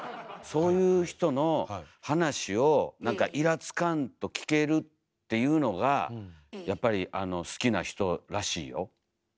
そういう人の話を何かいらつかんと聞けるっていうのがやっぱりあの好きな人らしいよ？